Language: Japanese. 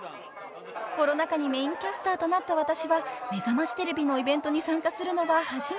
［コロナ禍にメインキャスターとなった私は『めざましテレビ』のイベントに参加するのは初めて］